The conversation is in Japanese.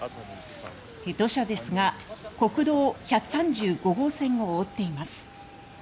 土砂ですが国道１３５号線を覆っています。